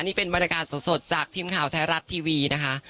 นี่เป็นบรรยากาศสดจากทีมข่าวไทยรัฐทีวีนะคะ